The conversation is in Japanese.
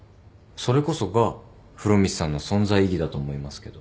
それこそが風呂光さんの存在意義だと思いますけど。